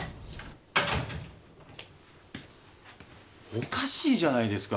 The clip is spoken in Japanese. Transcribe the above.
おかしいじゃないですか。